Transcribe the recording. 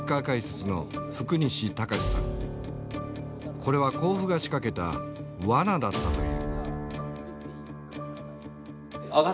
これは甲府が仕掛けた罠だったという。